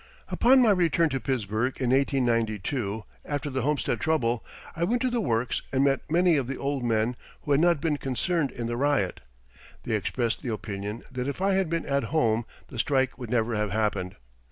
Upon my return to Pittsburgh in 1892, after the Homestead trouble, I went to the works and met many of the old men who had not been concerned in the riot. They expressed the opinion that if I had been at home the strike would never have happened.